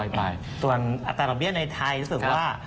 แต่หัวตัวเปรี้ยวในไทยรู้สึกว่า